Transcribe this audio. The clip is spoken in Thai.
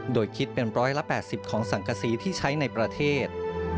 โดยคิดเป็น๑๘๐ของสังกษีที่ใช้ในประเทศ